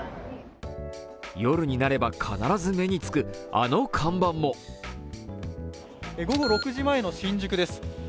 夜になれば必ず目につくあの看板も午後６時前の新宿です。